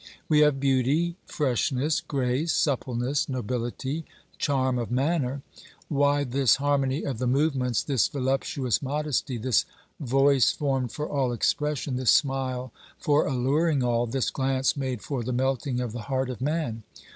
We have beauty, freshness, grace, suppleness, nobility, charm of manner Why this harmony of the movements, this voluptuous modesty, this voice formed for all expression, this smile for alluring all, this glance made for the melting of the heart of man